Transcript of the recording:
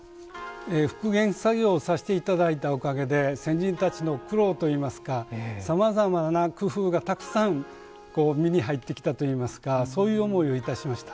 復元作業をさせて頂いたおかげで先人たちの苦労といいますかさまざまな工夫がたくさん身に入ってきたといいますかそういう思いをいたしました。